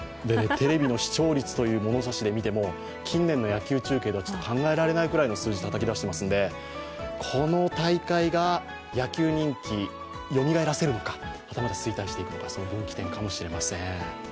テレビの視聴率という物差しで見ても近年の野球中継ではちょっと考えられないくらいの数字をたたき出していますのでこの大会が野球人気よみがえらせるのか、はたまた衰退していくのか分岐点なのかもしれません。